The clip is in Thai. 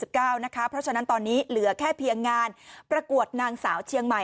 เพราะฉะนั้นตอนนี้เหลือแค่เพียงงานประกวดนางสาวเชียงใหม่